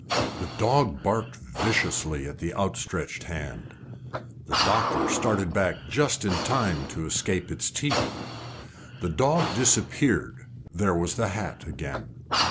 The dog barked viciously at the outstretched hand. The doctor started back just in time to escape its teeth. The dog disappeared there was the hat again.